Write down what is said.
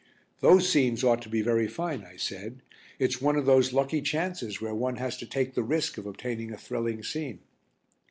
"Those scenes ought to be very fine," I said. "It's one of those lucky chances where one has to take the risk of obtaining a thrilling scene."